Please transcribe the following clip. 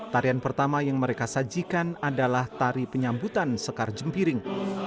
tarian pertama yang mereka sajikan adalah tari penyambutan sekar jempiring